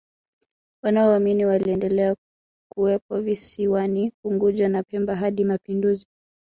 Waomani waliendelea kuwepo visiwani Unguja na Pemba hadi mapinduzi